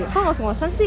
kok gak seng lesan sih